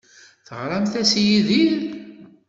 Teɣramt-as i Yidir?